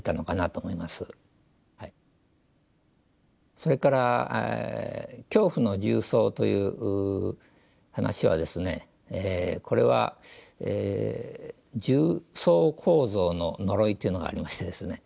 それから「恐怖の重層」という話はですねこれは重層構造の呪いというのがありましてですねで